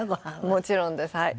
もちろんですはい。